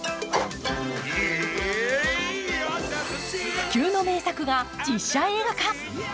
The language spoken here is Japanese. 不朽の名作が実写映画化。